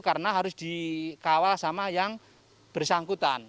karena harus dikawal sama yang bersangkutan